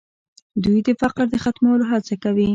دوی د فقر د ختمولو هڅه کوي.